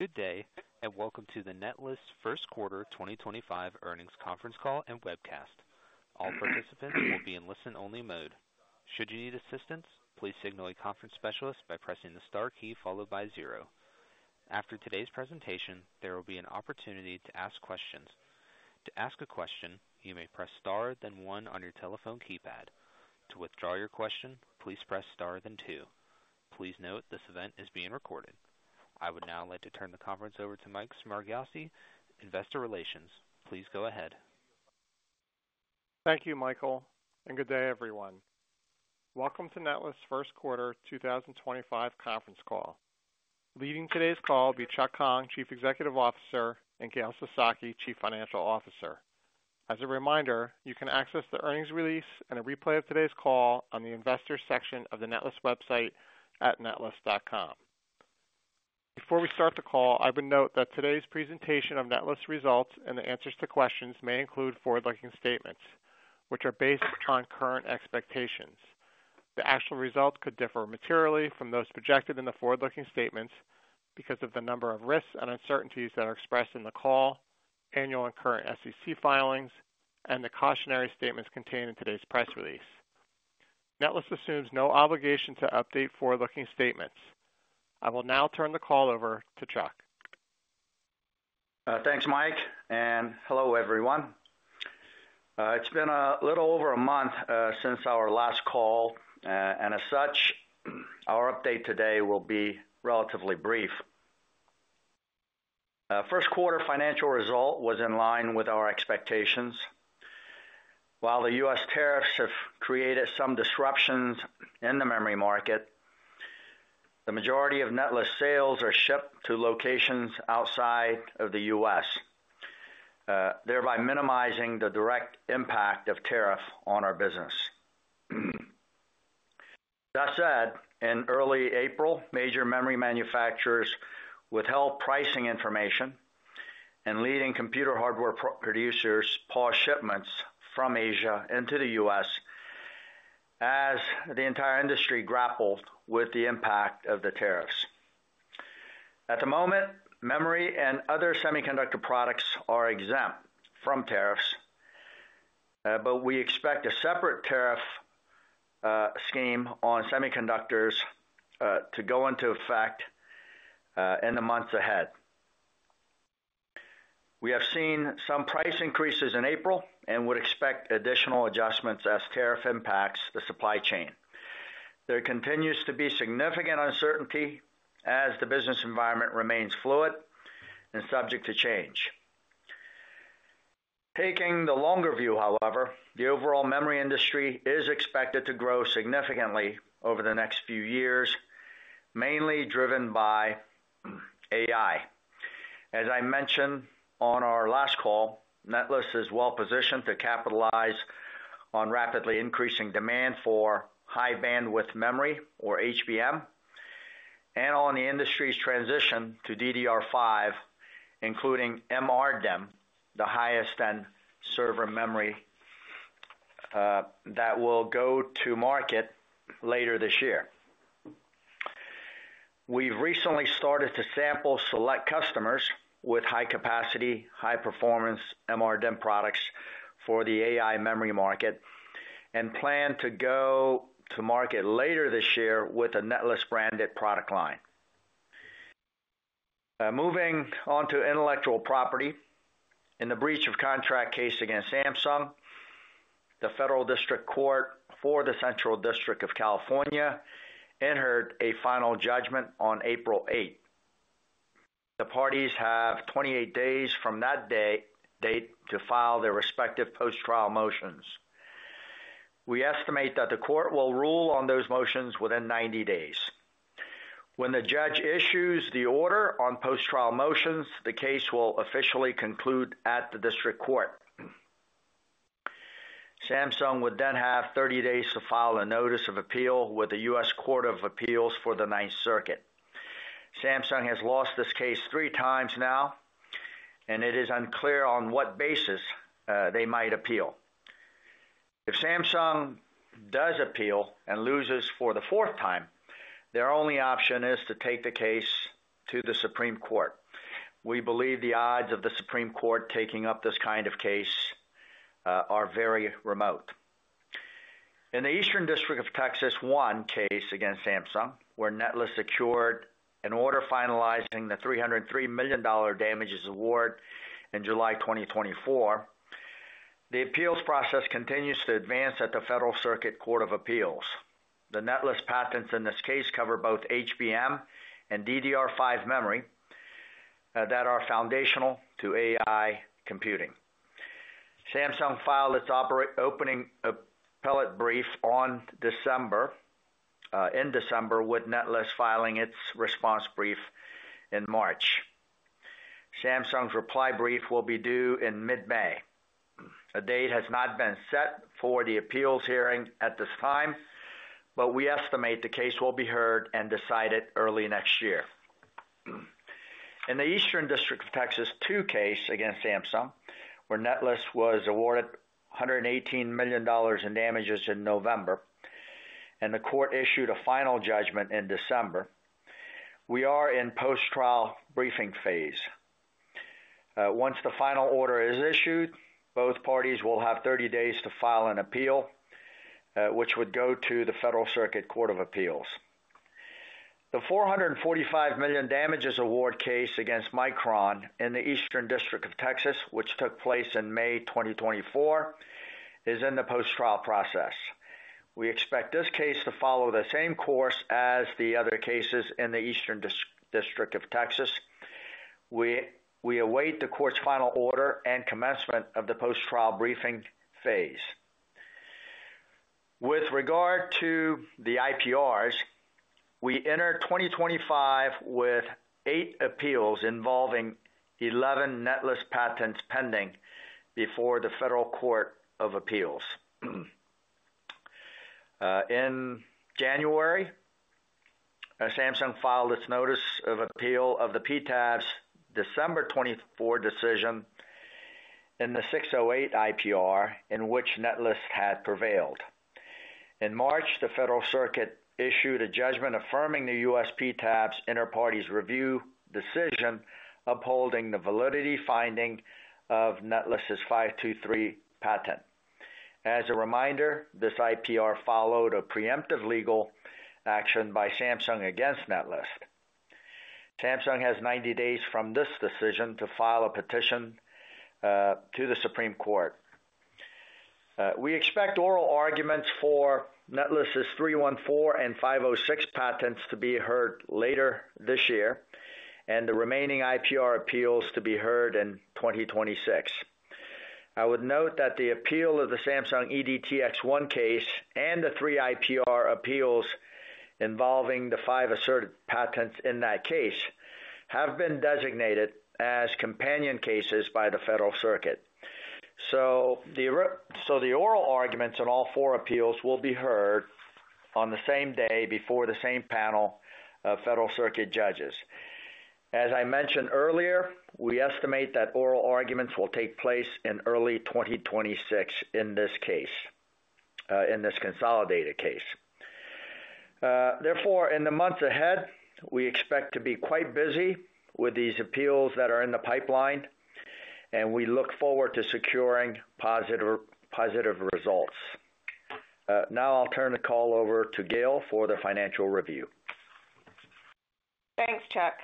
Good day, and welcome to the Netlist First Quarter 2025 Earnings Conference Call and Webcast. All participants will be in listen-only mode. Should you need assistance, please signal a conference specialist by pressing the star key followed by zero. After today's presentation, there will be an opportunity to ask questions. To ask a question, you may press star then one on your telephone keypad. To withdraw your question, please press star then two. Please note this event is being recorded. I would now like to turn the conference over to Mike Smargiassi, investor relations. Please go ahead. Thank you, Michael, and good day, everyone. Welcome to Netlist First Quarter 2025 Conference Call. Leading today's call will be Chuck Hong, Chief Executive Officer, and Gail Sasaki, Chief Financial Officer. As a reminder, you can access the earnings release and a replay of today's call on the investor section of the Netlist website at netlist.com. Before we start the call, I would note that today's presentation of Netlist results and the answers to questions may include forward-looking statements, which are based on current expectations. The actual results could differ materially from those projected in the forward-looking statements because of the number of risks and uncertainties that are expressed in the call, annual and current SEC filings, and the cautionary statements contained in today's press release. Netlist assumes no obligation to update forward-looking statements. I will now turn the call over to Chuck. Thanks, Mike, and hello, everyone. It's been a little over a month since our last call, and as such, our update today will be relatively brief. First quarter financial result was in line with our expectations. While the U.S. tariffs have created some disruptions in the memory market, the majority of Netlist sales are shipped to locations outside of the U.S., thereby minimizing the direct impact of tariffs on our business. That said, in early April, major memory manufacturers withheld pricing information, and leading computer hardware producers paused shipments from Asia into the U.S. as the entire industry grappled with the impact of the tariffs. At the moment, memory and other semiconductor products are exempt from tariffs, but we expect a separate tariff scheme on semiconductors to go into effect in the months ahead. We have seen some price increases in April and would expect additional adjustments as tariff impacts the supply chain. There continues to be significant uncertainty as the business environment remains fluid and subject to change. Taking the longer view, however, the overall memory industry is expected to grow significantly over the next few years, mainly driven by AI. As I mentioned on our last call, Netlist is well positioned to capitalize on rapidly increasing demand for high-bandwidth memory, or HBM, and on the industry's transition to DDR5, including MRDIMM, the highest-end server memory that will go to market later this year. We've recently started to sample select customers with high-capacity, high-performance MRDIMM products for the AI memory market and plan to go to market later this year with a Netlist-branded product line. Moving on to intellectual property, in the breach of contract case against Samsung, the Federal District Court for the Central District of California entered a final judgment on April 8. The parties have 28 days from that date to file their respective post-trial motions. We estimate that the court will rule on those motions within 90 days. When the judge issues the order on post-trial motions, the case will officially conclude at the district court. Samsung would then have 30 days to file a notice of appeal with the U.S. Court of Appeals for the Ninth Circuit. Samsung has lost this case three times now, and it is unclear on what basis they might appeal. If Samsung does appeal and loses for the fourth time, their only option is to take the case to the Supreme Court. We believe the odds of the Supreme Court taking up this kind of case are very remote. In the Eastern District of Texas 1 case against Samsung, where Netlist secured an order finalizing the $303 million damages award in July 2024, the appeals process continues to advance at the Federal Circuit Court of Appeals. The Netlist patents in this case cover both HBM and DDR5 memory that are foundational to AI computing. Samsung filed its opening appellate brief in December, with Netlist filing its response brief in March. Samsung's reply brief will be due in mid-May. A date has not been set for the appeals hearing at this time, but we estimate the case will be heard and decided early next year. In the Eastern District of Texas 2 case against Samsung, where Netlist was awarded $118 million in damages in November, and the court issued a final judgment in December, we are in post-trial briefing phase. Once the final order is issued, both parties will have 30 days to file an appeal, which would go to the Federal Circuit Court of Appeals. The $445 million damages award case against Micron in the Eastern District of Texas, which took place in May 2024, is in the post-trial process. We expect this case to follow the same course as the other cases in the Eastern District of Texas. We await the court's final order and commencement of the post-trial briefing phase. With regard to the IPRs, we entered 2025 with eight appeals involving 11 Netlist patents pending before the Federal Court of Appeals. In January, Samsung filed its notice of appeal of the PTAB's December 24 decision in the 608 IPR, in which Netlist had prevailed. In March, the Federal Circuit issued a judgment affirming the U.S. PTAB's inter partes review decision, upholding the validity finding of Netlist's 523 patent. As a reminder, this IPR followed a preemptive legal action by Samsung against Netlist. Samsung has 90 days from this decision to file a petition to the Supreme Court. We expect oral arguments for Netlist's 314 and 506 patents to be heard later this year, and the remaining IPR appeals to be heard in 2026. I would note that the appeal of the Samsung EDTX1 case and the three IPR appeals involving the five asserted patents in that case have been designated as companion cases by the Federal Circuit. The oral arguments in all four appeals will be heard on the same day before the same panel of Federal Circuit judges. As I mentioned earlier, we estimate that oral arguments will take place in early 2026 in this case, in this consolidated case. Therefore, in the months ahead, we expect to be quite busy with these appeals that are in the pipeline, and we look forward to securing positive results. Now I'll turn the call over to Gail for the financial review. Thanks, Chuck.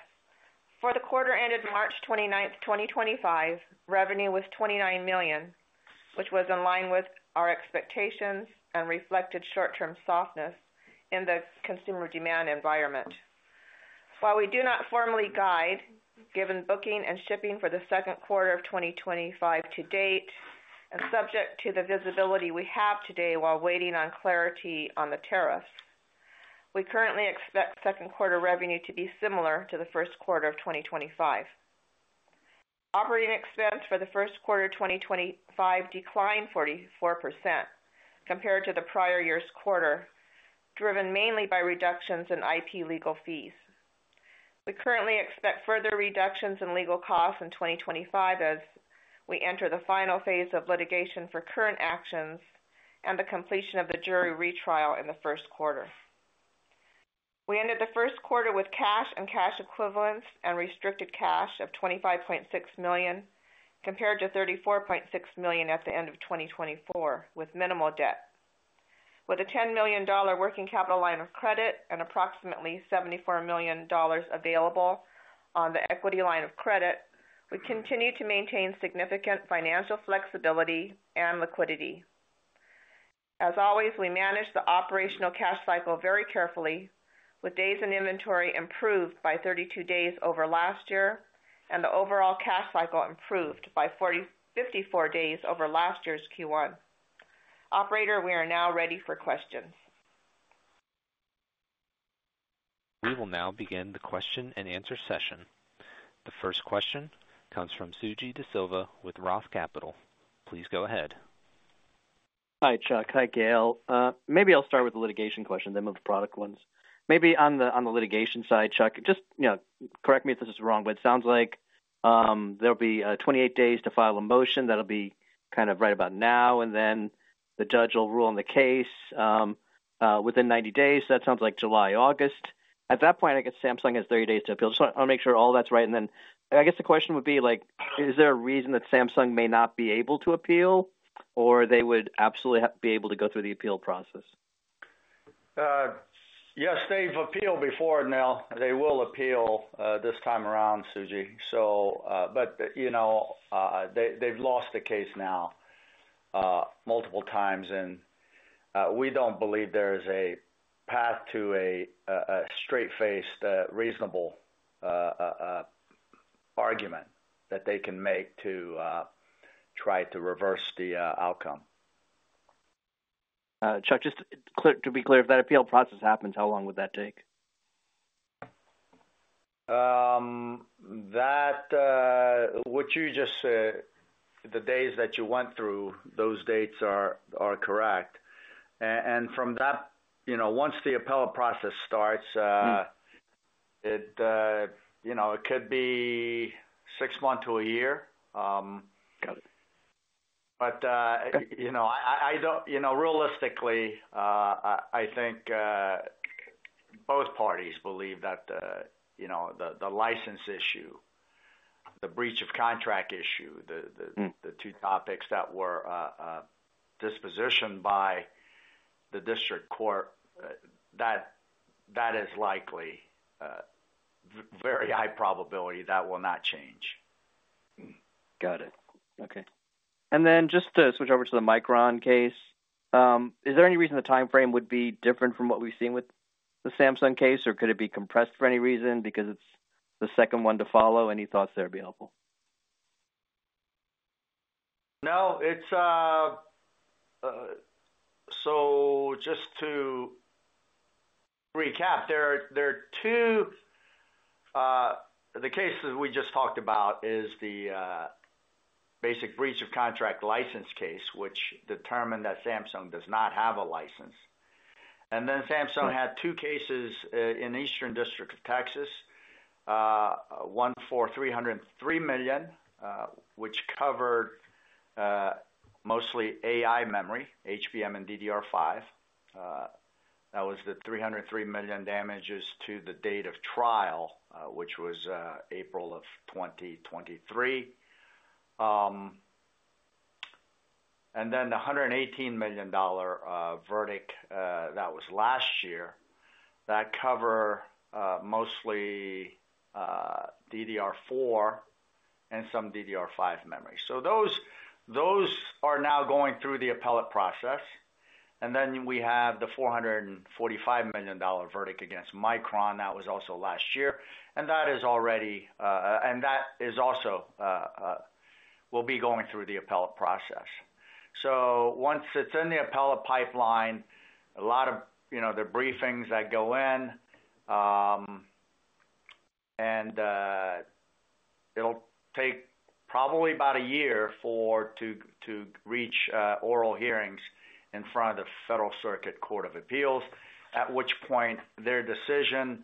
For the quarter ended March 29th, 2025, revenue was $29 million, which was in line with our expectations and reflected short-term softness in the consumer demand environment. While we do not formally guide, given booking and shipping for the second quarter of 2025 to date, and subject to the visibility we have today while waiting on clarity on the tariffs, we currently expect second quarter revenue to be similar to the first quarter of 2025. Operating expense for the first quarter of 2025 declined 44% compared to the prior year's quarter, driven mainly by reductions in IP legal fees. We currently expect further reductions in legal costs in 2025 as we enter the final phase of litigation for current actions and the completion of the jury retrial in the first quarter. We ended the first quarter with cash and cash equivalents and restricted cash of $25.6 million compared to $34.6 million at the end of 2024, with minimal debt. With a $10 million working capital line of credit and approximately $74 million available on the equity line of credit, we continue to maintain significant financial flexibility and liquidity. As always, we manage the operational cash cycle very carefully, with days in inventory improved by 32 days over last year and the overall cash cycle improved by 54 days over last year's Q1. Operator, we are now ready for questions. We will now begin the question and answer session. The first question comes from Suji Desilva with ROTH Capital. Please go ahead. Hi, Chuck. Hi, Gail. Maybe I'll start with the litigation question, then move to product ones. Maybe on the litigation side, Chuck, just correct me if this is wrong, but it sounds like there'll be 28 days to file a motion that'll be kind of right about now, and then the judge will rule on the case within 90 days. That sounds like July, August. At that point, I guess Samsung has 30 days to appeal. Just want to make sure all that's right. I guess the question would be, is there a reason that Samsung may not be able to appeal, or they would absolutely be able to go through the appeal process? Yes, they've appealed before, and they will appeal this time around, Suji. They've lost the case now multiple times, and we don't believe there is a path to a straight-faced, reasonable argument that they can make to try to reverse the outcome. Chuck, just to be clear, if that appeal process happens, how long would that take? What you just said, the days that you went through, those dates are correct. From that, once the appellate process starts, it could be six months to a year. Realistically, I think both parties believe that the license issue, the breach of contract issue, the two topics that were dispositioned by the district court, that is likely, very high probability, that will not change. Got it. Okay. Just to switch over to the Micron case, is there any reason the timeframe would be different from what we've seen with the Samsung case, or could it be compressed for any reason because it's the second one to follow? Any thoughts there would be helpful? No. So just to recap, there are two of the cases we just talked about is the basic breach of contract license case, which determined that Samsung does not have a license. And then Samsung had two cases in the Eastern District of Texas, one for $303 million, which covered mostly AI memory, HBM and DDR5. That was the $303 million damages to the date of trial, which was April of 2023. And then the $118 million verdict that was last year, that covered mostly DDR4 and some DDR5 memory. So those are now going through the appellate process. And then we have the $445 million verdict against Micron. That was also last year. And that is already and that will be going through the appellate process. Once it's in the appellate pipeline, a lot of the briefings that go in, and it'll take probably about a year to reach oral hearings in front of the Federal Circuit Court of Appeals, at which point their decision,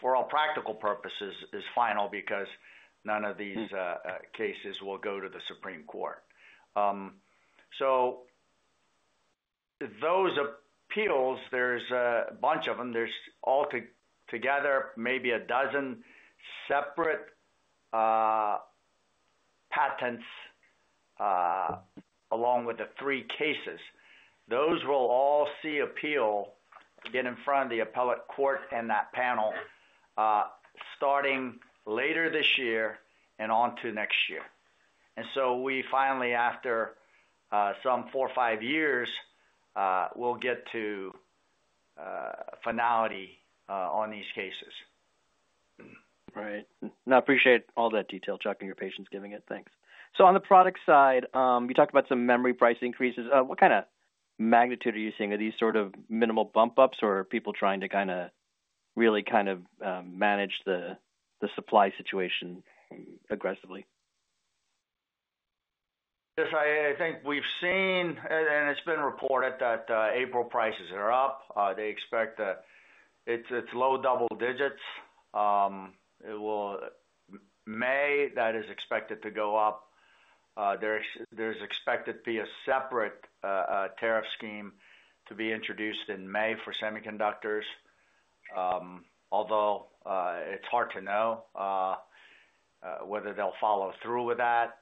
for all practical purposes, is final because none of these cases will go to the Supreme Court. Those appeals, there's a bunch of them. There's altogether maybe a dozen separate patents along with the three cases. Those will all see appeal again in front of the appellate court and that panel starting later this year and on to next year. We finally, after some four or five years, will get to finality on these cases. Right. No, I appreciate all that detail, Chuck, and your patience giving it. Thanks. On the product side, you talked about some memory price increases. What kind of magnitude are you seeing? Are these sort of minimal bump-ups, or are people trying to kind of really kind of manage the supply situation aggressively? Yes, I think we've seen, and it's been reported that April prices are up. They expect it's low double digits. May, that is expected to go up. There's expected to be a separate tariff scheme to be introduced in May for semiconductors, although it's hard to know whether they'll follow through with that.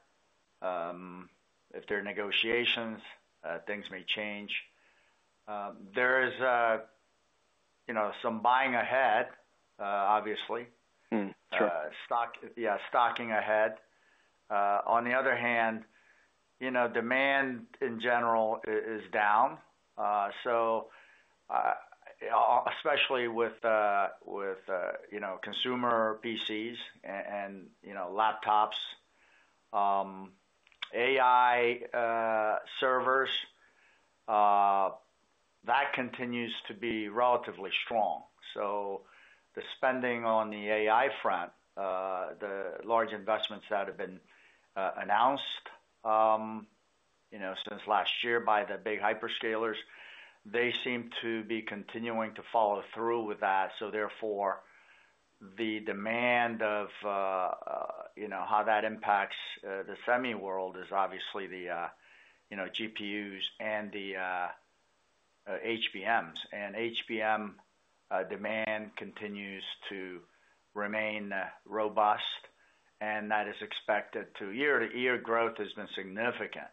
If there are negotiations, things may change. There is some buying ahead, obviously. Sure. Yeah, stocking ahead. On the other hand, demand in general is down, especially with consumer PCs and laptops. AI servers, that continues to be relatively strong. The spending on the AI front, the large investments that have been announced since last year by the big hyperscalers, they seem to be continuing to follow through with that. Therefore, the demand of how that impacts the semi world is obviously the GPUs and the HBMs. HBM demand continues to remain robust, and that is expected to year-to-year growth has been significant.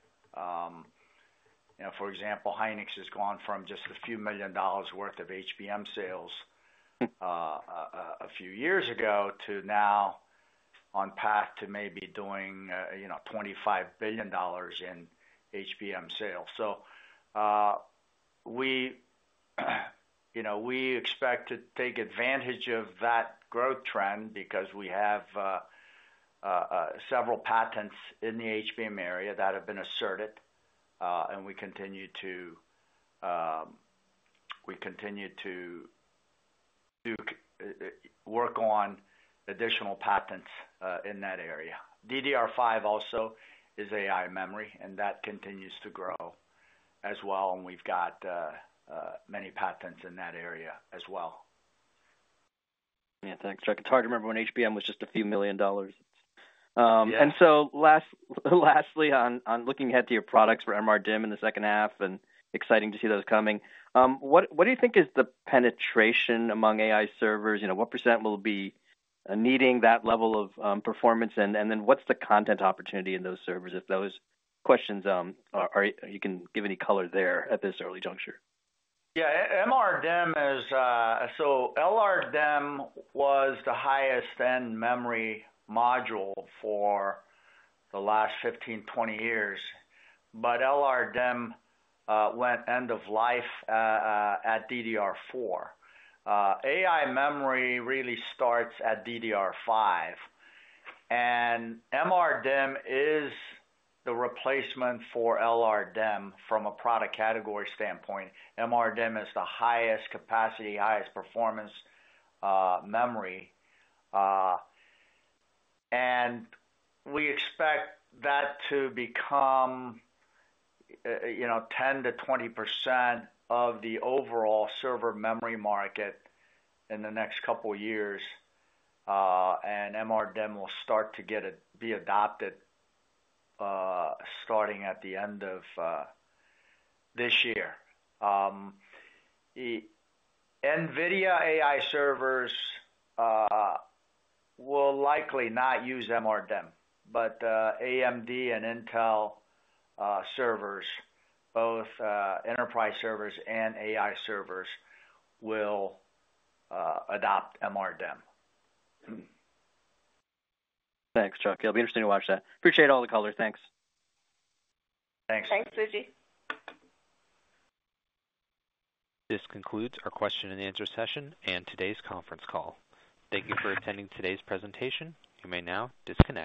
For example, Hynix has gone from just a few million dollars' worth of HBM sales a few years ago to now on path to maybe doing $25 billion in HBM sales. We expect to take advantage of that growth trend because we have several patents in the HBM area that have been asserted, and we continue to work on additional patents in that area. DDR5 also is AI memory, and that continues to grow as well. We have many patents in that area as well. Yeah, thanks. Chuck, it's hard to remember when HBM was just a few million dollars. Lastly, on looking ahead to your products for MRDIMM in the second half, and exciting to see those coming. What do you think is the penetration among AI servers? What percent will be needing that level of performance? What's the content opportunity in those servers? If those questions, you can give any color there at this early juncture. Yeah, MRDIMM is, so LRDIMM was the highest-end memory module for the last 15-20 years. LRDIMM went end of life at DDR4. AI memory really starts at DDR5. MRDIMM is the replacement for LRDIMM from a product category standpoint. MRDIMM is the highest capacity, highest performance memory. We expect that to become 10%-20% of the overall server memory market in the next couple of years. MRDIMM will start to be adopted starting at the end of this year. NVIDIA AI servers will likely not use MRDIMM, but AMD and Intel servers, both enterprise servers and AI servers, will adopt MRDIMM. Thanks, Chuck. It'll be interesting to watch that. Appreciate all the colors. Thanks. Thanks. Thanks, Suji. This concludes our question and answer session and today's conference call. Thank you for attending today's presentation. You may now disconnect.